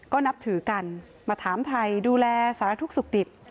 ก็นับถือกันมาถามไทยดูแลสารทุกข์สุขดิบ